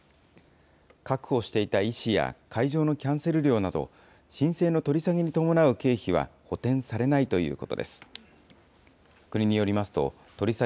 確保していた医師や会場のキャンセル料など、申請の取り下げに伴う経費は補填されないということです。